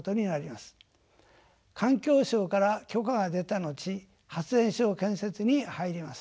環境省から許可が出た後発電所建設に入ります。